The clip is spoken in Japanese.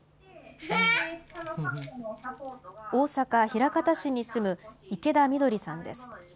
大阪・枚方市に住む池田碧さんです。